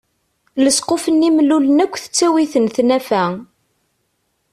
Lesquf-nni mellulen akk tettawi-ten tnafa.